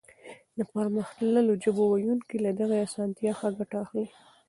د پرمختللو ژبو ويونکي له دغې اسانتيا ښه ګټه اخلي.